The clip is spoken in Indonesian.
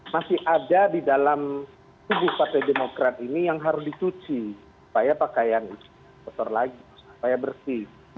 masih ada di dalam tubuh partai demokrat ini yang harus dicuci supaya pakaian itu kotor lagi supaya bersih